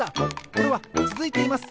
これはつづいています！